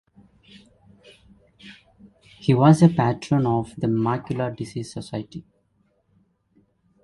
He was a patron of the Macular Disease Society.